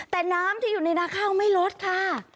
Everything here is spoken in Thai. แต่น้ำที่อยู่ในนาข้าวไม่ลดค่ะ